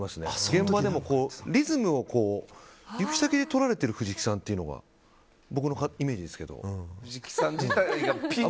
現場でもリズムを指先でとられてる藤木さんというのが僕のイメージですけど。